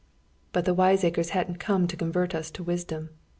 But the wiseacres hadn't come to convert us to wisdom.